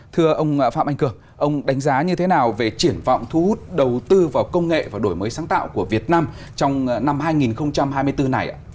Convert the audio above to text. thưa ông phạm anh cường ông đánh giá như thế nào về triển vọng thu hút đầu tư vào công nghệ và đổi mới sáng tạo của việt nam trong năm hai nghìn hai mươi bốn này ạ